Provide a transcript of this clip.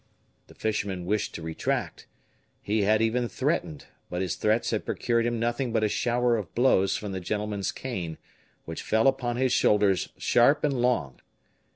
The fisherman wished to retract. He had even threatened, but his threats had procured him nothing but a shower of blows from the gentleman's cane, which fell upon his shoulders sharp and long.